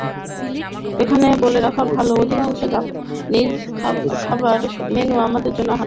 এখানে বলে রাখা ভালো, অধিকাংশ জাপানিজ খাবার মেন্যু আমাদের জন্য হারাম।